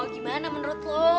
gimana menurut lo